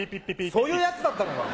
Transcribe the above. そういうやつだったのか！